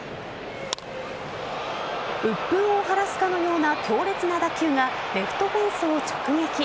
うっぷんを晴らすかのような強烈な打球がレフトフェンスを直撃。